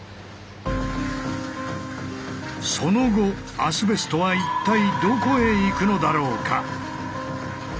その後アスベストは一体どこへ行くのだろうか？